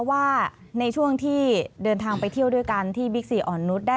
ว่าในช่วงที่เดินทางไปเที่ยวด้วยกันที่บิ๊กซีอ่อนนุษย์